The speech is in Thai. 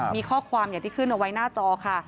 มีข้อความอย่างที่ขึ้นเอาไว้หน้าจอค่ะ